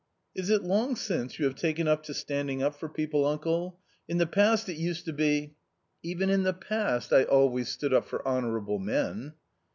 " Is it long since you have taken to standing up for people, uncle ? In the past it used to be " "Even in the past I always stood up for honourable men."